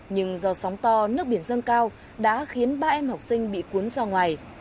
nhưng do sóng to nước biển dâng cao đã khiến ba em học sinh bị cuốn ra ngoài